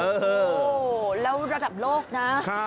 โอ้โหแล้วระดับโลกนะ